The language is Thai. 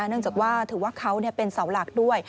เนื่องจากว่าถือว่าเขาเป็นเสาหลักด้วย